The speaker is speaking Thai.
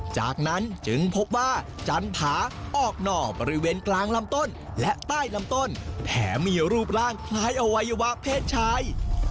จากนั้นจึงพบว่าจันผาออกหน่อบริเวณกลางลำต้นและใต้ลำต้นแถมมีรูปร่างคล้ายอวัยวะเพศชาย